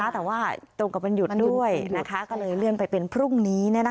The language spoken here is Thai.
แต่ว่าตรงกับวันหยุดด้วยก็เลยเลื่อนไปเป็นพรุ่งนี้